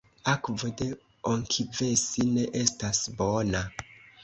Akvo de Onkivesi ne estas bona.